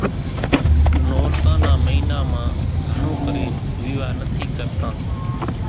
نورتان نا مئينا مان گھڻون ڪرين ويوا نٿي ڪرتان۔